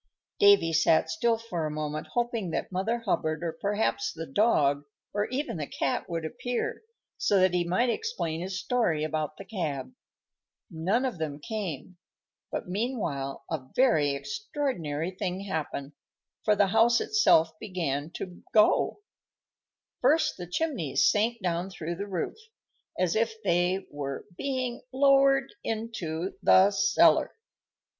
Davy sat still for a moment, hoping that Mother Hubbard, or perhaps the dog, or even the cat, would appear, so that he might explain his story about the cab. None of them came; but meanwhile a very extraordinary thing happened, for the house itself began to go. First the chimneys sank down through the roof, as if they were being lowered into the cellar.